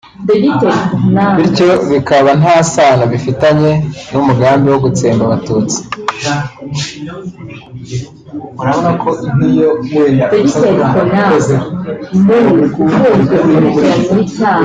bityo bikaba nta sano bifitanye n’umugambi wo gutsemba abatutsi